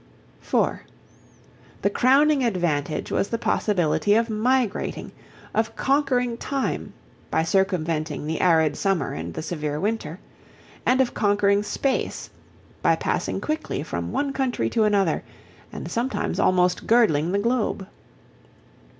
(4) The crowning advantage was the possibility of migrating, of conquering time (by circumventing the arid summer and the severe winter) and of conquering space (by passing quickly from one country to another and sometimes almost girdling the globe).